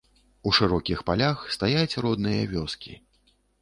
У шырокіх палях стаяць родныя вёскі.